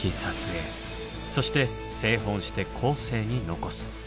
そして製本して後世に残す。